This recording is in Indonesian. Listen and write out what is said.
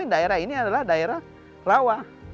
daerah ini adalah daerah rawa